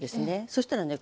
そしたらね